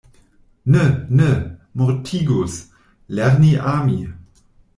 Ne, ne mortigus, lerni ami.